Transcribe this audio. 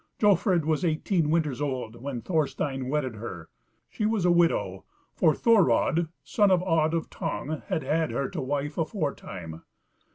Jofrid was eighteen winters old when Thorstein wedded her; she was a widow, for Thorodd, son of Odd of Tongue, had had her to wife aforetime.